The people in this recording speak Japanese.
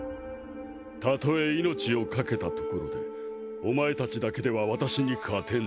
たとえ命をかけたところでお前たちだけでは私に勝てん。